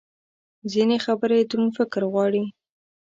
ځینې خبرې دروند فکر غواړي.